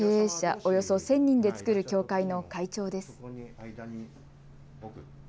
およそ１０００人で作る協会の会長です。